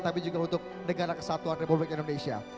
tapi juga untuk negara kesatuan republik indonesia